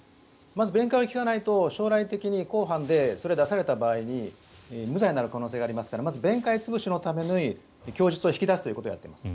まず弁解を聞かないと将来的に公判でそれを出された場合に無罪になる可能性がありますからまず弁解潰しのために供述を引き出すことをやっています。